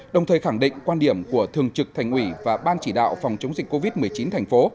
đồng thời khẳng định quan điểm của thường trực thành ủy và ban chỉ đạo phòng chống dịch covid một mươi chín thành phố